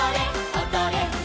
おどれ！」